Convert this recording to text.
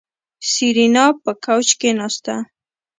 سېرېنا په کوچ کېناسته.